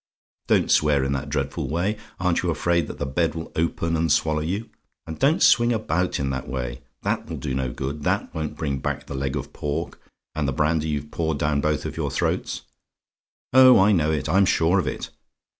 Don't swear in that dreadful way! Aren't you afraid that the bed will open and swallow you? And don't swing about in that way. THAT will do no good. THAT won't bring back the leg of pork, and the brandy you've poured down both of your throats. Oh, I know it, I'm sure of it.